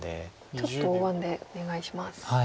ちょっと大盤でお願いします。